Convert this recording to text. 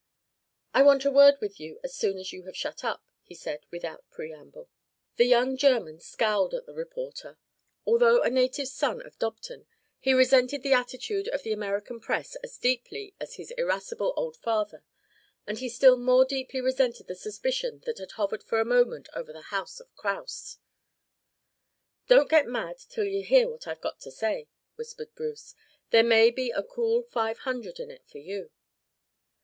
"I want a word with you as soon as you have shut up," he said without preamble. The young German scowled at the reporter. Although a native son of Dobton, he resented the attitude of the American press as deeply as his irascible old father, and he still more deeply resented the suspicion that had hovered for a moment over the house of Kraus. "Don't get mad till you hear what I've got to say," whispered Bruce. "There may be a cool five hundred in it for you."